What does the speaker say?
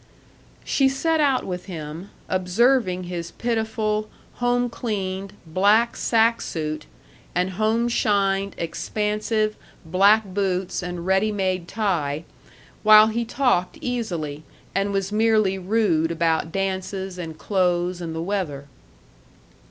She set out with him, observing his pitiful, home cleaned, black sack suit, and home shined, expansive, black boots and ready made tie, while he talked easily, and was merely rude about dances and clothes and the weather.